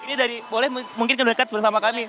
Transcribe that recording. ini dari boleh mungkin kedekat bersama kami